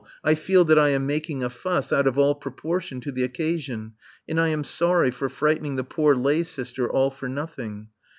I feel that I am making a fuss out of all proportion to the occasion. And I am sorry for frightening the poor lay sister all for nothing.